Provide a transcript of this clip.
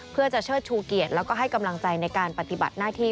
เพื่อจะเชิดชูเกียรติแล้วก็ให้กำลังใจในการปฏิบัติหน้าที่